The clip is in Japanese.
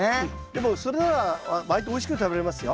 でもそれならわりとおいしく食べれますよ。